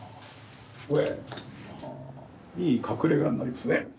・いい隠れ家になりますね。